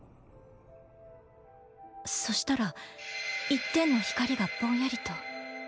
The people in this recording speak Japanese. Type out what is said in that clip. そしたら一点の光がぼんやりと。